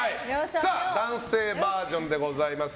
男性バージョンでございます。